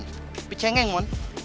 tapi cengeng mon